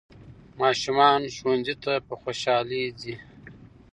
ماشومان ښوونځي ته په خوشحالۍ ځي